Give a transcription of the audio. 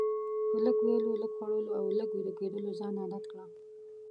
په لږ ویلو، لږ خوړلو او لږ ویده کیدلو ځان عادت کړه.